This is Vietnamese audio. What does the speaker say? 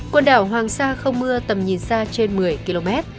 quần đảo hoàng sa không mưa tầm nhìn xa trên một mươi km